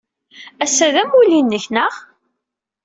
Ass-a d amulli-nnek, naɣ?